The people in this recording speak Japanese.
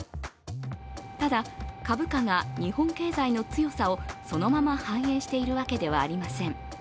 ただ、株価が日本経済の強さをそのまま反映しているわけではありません。